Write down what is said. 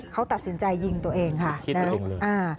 เขาตัดสินใจยิงตัวเองค่ะนะ